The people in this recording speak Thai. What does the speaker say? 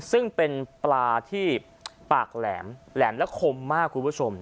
ซึ่งเป็นปลาที่ปากแหลมแหลมและคมมากคุณผู้ชม